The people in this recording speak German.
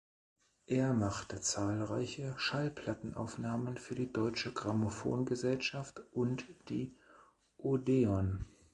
Er machte zahlreiche Schallplattenaufnahmen für die Deutsche Grammophon Gesellschaft und die Odeon.